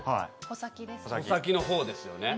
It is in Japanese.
穂先のほうですよね。